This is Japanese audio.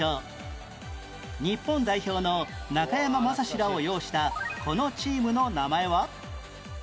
日本代表の中山雅史らを擁したこのチームの名前は？